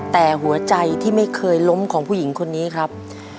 แต่หัวใจที่ไม่เคยล้มของผู้หญิงคนนี้ครับ